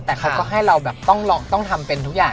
แต่เขาก็ให้เราแบบต้องทำเป็นทุกอย่าง